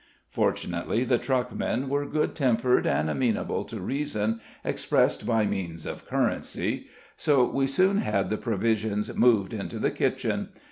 Fortunately, the truckmen were good tempered and amenable to reason, expressed by means of currency; so we soon had the provisions moved into the kitchen.